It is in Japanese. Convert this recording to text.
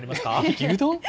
牛丼？